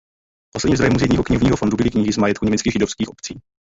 Posledním zdrojem muzejního knihovního fondu byly knihy z majetku německých židovských obcí.